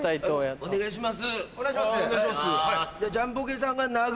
お願いします。